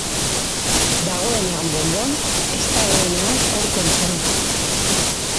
Dagoenean bon-bon, ez dagoenean hor konpon.